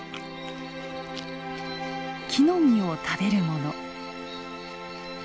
木の実を食べるもの。